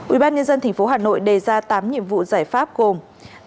ubnd tp hà nội đề ra tám nhiệm vụ giải pháp gồm